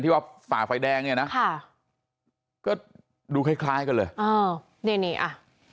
ว่าฝ่าไฟแดงเนี่ยนะค่ะก็ดูคล้ายคล้ายกันเลยอ้าวนี่นี่อ่ะ